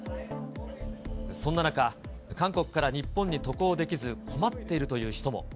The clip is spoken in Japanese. そんな中、韓国から日本に渡航できず困っているという人も。